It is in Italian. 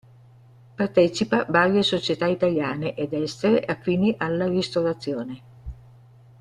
Partecipa varie società italiane ed estere affini alla ristorazione.